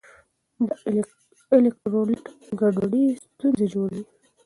د الیکټرولیټ ګډوډي ستونزې جوړوي.